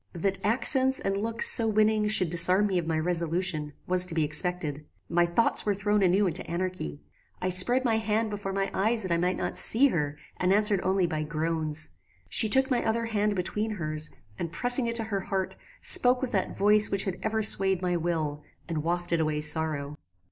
"That accents and looks so winning should disarm me of my resolution, was to be expected. My thoughts were thrown anew into anarchy. I spread my hand before my eyes that I might not see her, and answered only by groans. She took my other hand between her's, and pressing it to her heart, spoke with that voice which had ever swayed my will, and wafted away sorrow.